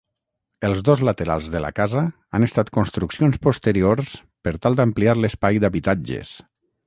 Els dos laterals de la casa han estat construccions posteriors per tal d'ampliar l'espai d'habitatges.